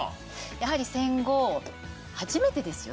やはり戦後初めてですよ